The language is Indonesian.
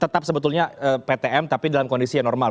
tetap sebetulnya ptm tapi dalam kondisi yang normal